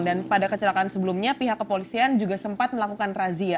dan pada kecelakaan sebelumnya pihak kepolisian juga sempat melakukan razia